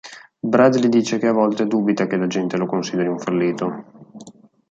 Brad gli dice che a volte dubita che la gente lo consideri un fallito.